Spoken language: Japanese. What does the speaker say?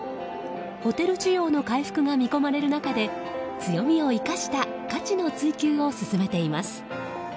ホテル需要の回復が見込まれる中で強みを生かした価値の追求を進めています。